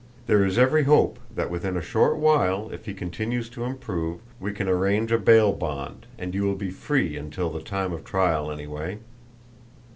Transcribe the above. There is every hope that within a short while, if he continues to improve, we can arrange a bail bond, and you will be free until the time of trial anyway.